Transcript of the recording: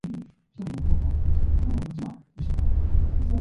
Interfaces can be flat or curved.